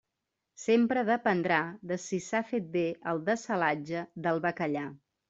Sempre dependrà de si s'ha fet bé el dessalatge del bacallà.